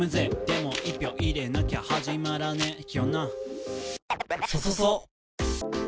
「でも１票入れなきゃ始まらねーよな」